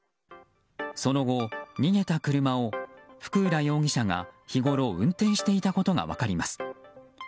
その後、逃げた車を福浦容疑者が日ごろ運転していたことが分かります。